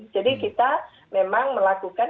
jadi kita memang melakukan